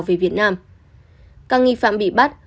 về việt nam các nghi phạm bị bắt